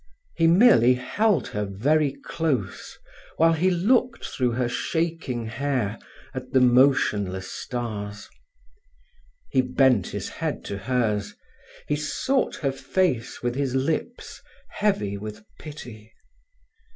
He merely held her very close, while he looked through her shaking hair at the motionless stars. He bent his head to hers, he sought her face with his lips, heavy with pity.